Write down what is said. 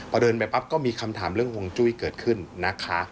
พอเดินไปปั๊บก็มีคำถามเรื่องห่วงจุ้ยเกิดขึ้นนะคะ